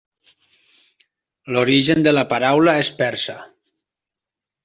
L'origen de la paraula és persa.